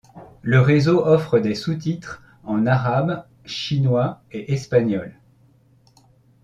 Le réseau offre des sous-titres en arabe, chinois et espagnol.